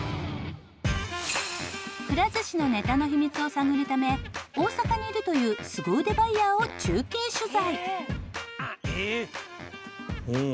くら寿司のネタの秘密を探るため大阪にいるという凄腕バイヤーを中継取材。